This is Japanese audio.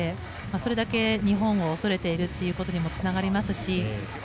それだけ日本を恐れているということにもつながりますし。